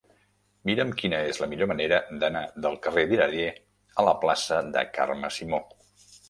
Mira'm quina és la millor manera d'anar del carrer d'Iradier a la plaça de Carme Simó.